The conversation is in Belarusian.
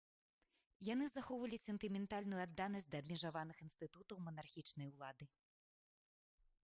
Яны захоўвалі сентыментальную адданасць да абмежаваных інстытутаў манархічнай улады.